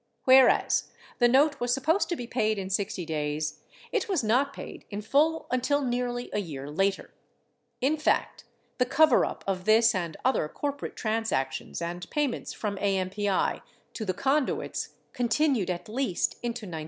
Whereas the note was supposed to be paid in 60 days, it was not paid in full until nearly a year later ; in fact, the coverup of this and other corporate transactions and payments from AMPI to the conduits con tinued at least into 1972.